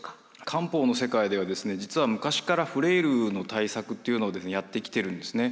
漢方の世界では実は昔からフレイルの対策っていうのをやってきているんですね。